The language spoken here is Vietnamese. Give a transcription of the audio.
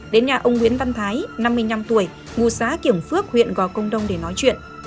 đến nhà ông nguyễn văn thái năm mươi năm tuổi ngụ xã kiểm phước huyện gò công đông để nói chuyện